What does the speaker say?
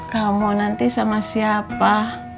kamu nanti sama siapa